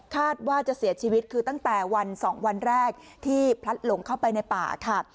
คาดว่าจะเสียชีวิตคือตั้งแต่วัน๒วันแรกที่พลัดหลงเข้าไปในป่าค่ะ